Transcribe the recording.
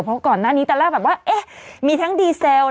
เพราะก่อนหน้านี้แต่ล่าแบบว่าเอ๊ะในแท่งดีเซล